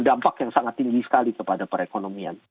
dampak yang sangat tinggi sekali kepada perekonomian